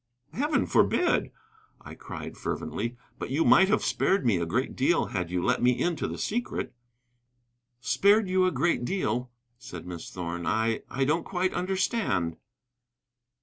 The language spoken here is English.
"Heaven forbid!" I cried fervently; "but you might have spared me a great deal had you let me into the secret." "Spared you a great deal," said Miss Thorn. "I I don't quite understand."